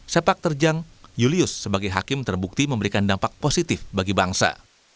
sepak terjang julius sebagai hakim terbukti memberikan dampak positif bagi bangsa